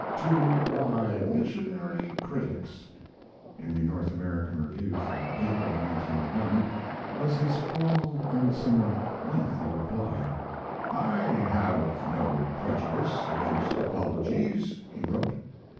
"To My Missionary Critics," in the North American Review for April (1901), was his formal and somewhat lengthy reply. "I have no prejudice against apologies," he wrote.